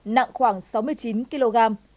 nặng khoảng sáu mươi chín kg